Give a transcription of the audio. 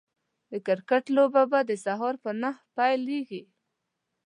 د کرکټ لوبه به د سهار په نهه پيليږي